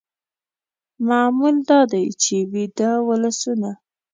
معمول دا دی چې ویده ولسونه